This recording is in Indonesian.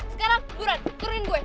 sekarang buran turunin gue